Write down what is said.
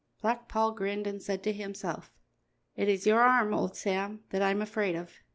Black Paul grinned and said to himself: "It is your arm, old Sam, that I am afraid of."